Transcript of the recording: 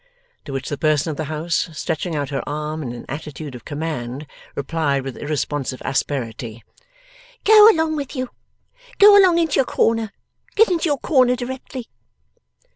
To which the person of the house, stretching out her arm in an attitude of command, replied with irresponsive asperity: 'Go along with you! Go along into your corner! Get into your corner directly!